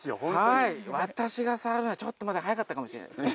私が触るのはちょっとまだ早かったかもしれないですね。